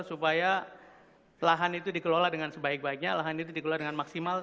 supaya lahan itu dikelola dengan sebaik baiknya lahan itu dikelola dengan maksimal